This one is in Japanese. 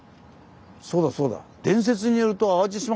そうだそうだ。